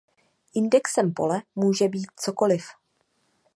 Indexem pole může být cokoliv.